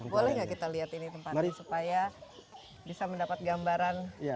boleh nggak kita lihat ini tempatnya supaya bisa mendapat gambaran